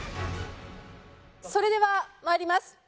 それでは参ります。